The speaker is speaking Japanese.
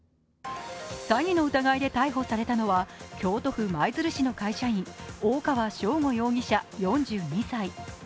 詐欺の疑いで逮捕されたのは京都府舞鶴市の会社員大川聖悟容疑者４２歳。